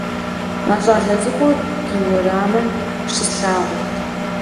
А щӀалэ цӀыкӀур ди уэрамым щыслъагъурт.